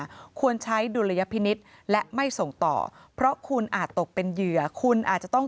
ควรใช้ดุลยพินิษฐ์และไม่ส่งต่อเพราะคุณอาจตกเป็นเหยื่อคุณอาจจะต้อง